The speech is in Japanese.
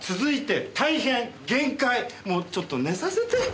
もうちょっと寝させて！